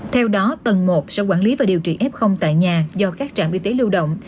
theo đó tầng một sẽ quản lý và điều trị f tại nhà do các trạm y tế lưu động